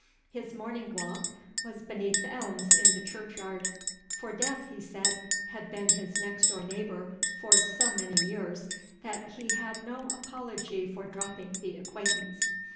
His morning walk was beneath the elms in the churchyard; "for death," he said, "had been his next door neighbour for so many years, that he had no apology for dropping the acquaintance."